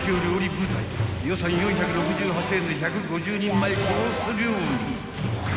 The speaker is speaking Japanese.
部隊予算４６８円で１５０人前コース料理］